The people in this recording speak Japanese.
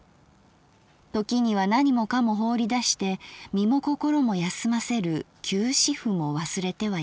ときには何もかも放り出して身も心も休ませる休止符も忘れてはいけない。